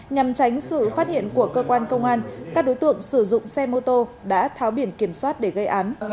nhằm tránh sự phát hiện của cơ quan công an các đối tượng sử dụng xe mô tô đã tháo biển kiểm soát để gây án